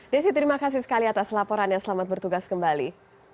desi terima kasih sekali atas laporannya selamat bertugas kembali